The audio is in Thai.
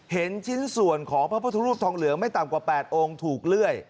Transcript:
เห็นชิ้นส่วนของพระพุทธรูปทองเหลืองไม่ต่ำกว่า๘องค์ถูกเลื่อย